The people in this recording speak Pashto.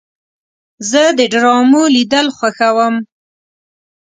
زه د ډرامو لیدل خوښوم.